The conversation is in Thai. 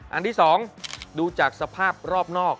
อันที่๒ดูจากสภาพรอบนอก